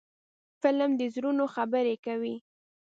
فلم د زړونو خبرې کوي